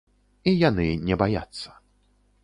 І яны не баяцца.